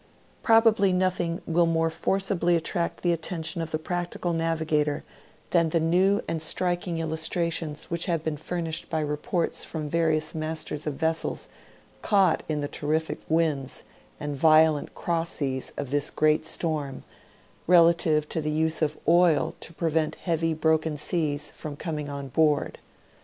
Probably nothing will more forcibly attract the attention of the practical navigator than the new and striking illustrations which have been furnished by reports from various masters of vessels, caught in the tei'rific winds and violent cross seas of this great storm, relative to the use of oil to prevent heavy broken seas from coming on board.